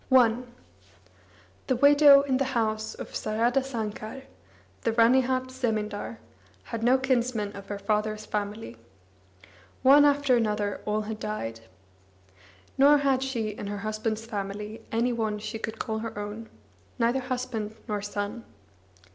I The widow in the house of Saradasankar, the Ranihat zemindar, had no kinsmen of her father's family. One after another all had died. Nor had she in her husband's family any one she could call her own, neither husband nor son.